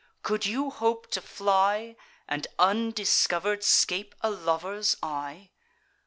could you hope to fly, And undiscover'd scape a lover's eye?